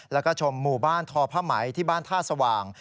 แล้วก็ชมหมู่บ้านทอผ้าไหมที่บ้านท่าสว่าง